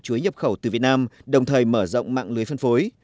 chuối nhập khẩu từ việt nam đồng thời mở rộng mạng lưới phân phối